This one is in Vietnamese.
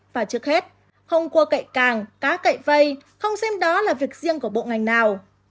và trước hết không cua cậy càng cá cậy vây không xem đó là việc riêng của bộ ngành nào